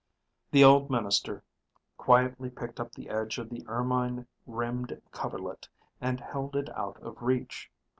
The old minister quietly picked up the edge of the ermine rimmed coverlet and held it out of reach.